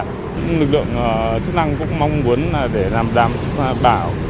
những lực lượng chức năng cũng mong muốn để làm đảm bảo